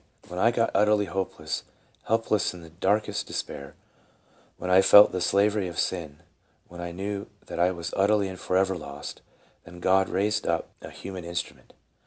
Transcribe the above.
When I got utterly hopeless, help less, in the darkest despair, when I felt the slavery of sin .... when I knew that I was utterly and forever lost, ... thenGod raised up a human instrument.